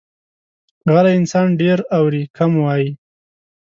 غلی انسان، ډېر اوري، کم وایي.